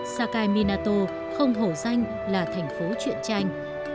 sakai minato không hổ danh là thành phố chuyện tranh